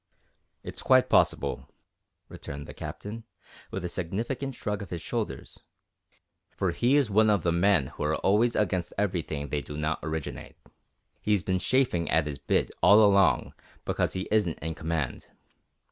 "It's quite possible," returned the Captain, with a significant shrug of his shoulders, "for he is one of the men who are always against everything they do not originate. He's been chafing at his bit all along because he isn't in command.